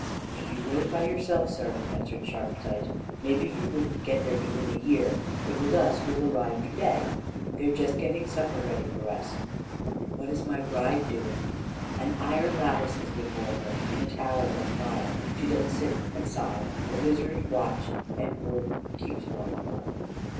"If you rode by yourself, sir," answered Sharpsight, "maybe you wouldn't get there within a year; but with us you'll arrive to day they're just getting supper ready for us." "And what is my bride doing?" "An iron lattice is before her, In a tower that's high She doth sit and sigh, A wizard watch and ward keeps o'er her."